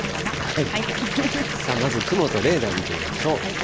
まず雲とレーダー見てみましょう。